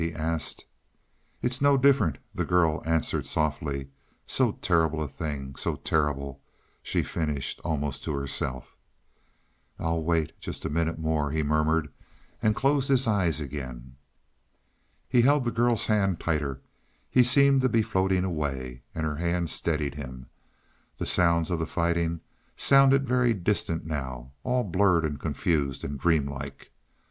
he asked. "It is no different," the girl answered softly. "So terrible a thing so terrible " she finished almost to herself. "I'll wait just a minute more," he murmured and closed his eyes again. He held the girl's hand tighter. He seemed to be floating away, and her hand steadied him. The sounds of the fighting sounded very distant now all blurred and confused and dreamlike.